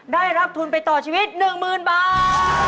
ได้รับทุนไปต่อชีวิต๑๐๐๐บาท